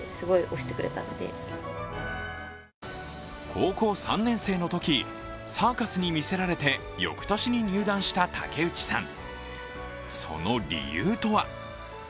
高校３年生のときサーカスにみせられてよくとしに入団した竹内さん。